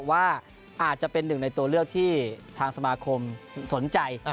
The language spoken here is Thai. ว่าอาจจะเป็นหนึ่งในตัวเลือกที่ทางสมาคมสนใจ